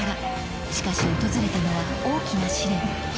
しかし訪れたのは大きな試練。